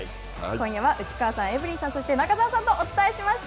今夜は内川さん、エブリンさん、そして中澤さんとお伝えしてきました。